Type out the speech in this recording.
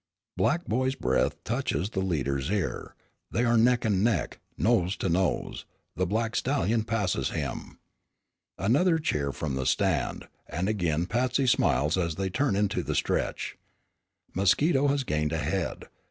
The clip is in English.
Black Boy's breath touches the leader's ear. They are neck and neck nose to nose. The black stallion passes him. Another cheer from the stand, and again Patsy smiles as they turn into the stretch. Mosquito has gained a head.